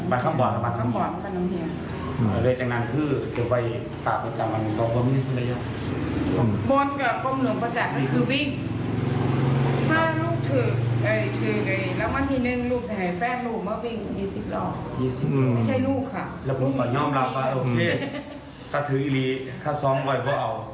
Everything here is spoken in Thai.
พระพุทธรูป